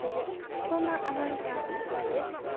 そんなアナウンサーになりたいです。